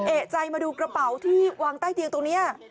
เอกใจมาดูกระเป๋าที่วางใต้เตียงตรงนี้